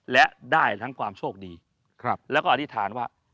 และได้ทั้งความโชคดีแล้วก็อธิษฐานว่า